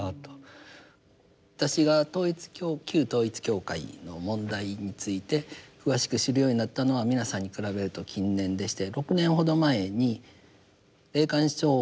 私が旧統一教会の問題について詳しく知るようになったのは皆さんに比べると近年でして６年ほど前に霊感商法対策